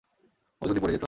ও যদি পড়ে যেত?